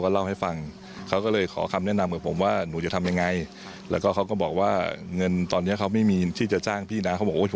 แล้วแอมป์ก็เปลี่ยนใจไม่รับสารภาพอะไรเลย